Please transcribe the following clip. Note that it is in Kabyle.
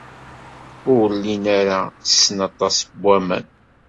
Ur llin ara ttessen aṭas n waman.